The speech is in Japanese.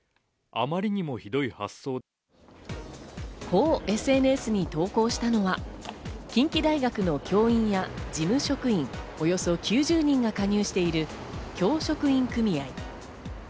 こうＳＮＳに投稿したのは、近畿大学の教員や事務職員、およそ９０人が加入している教職員組合。